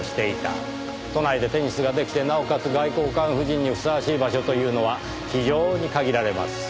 都内でテニスが出来てなおかつ外交官夫人にふさわしい場所というのは非常に限られます。